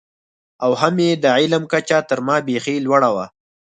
او هم یې د علم کچه تر ما بېخي لوړه وه.